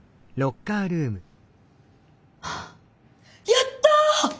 やった！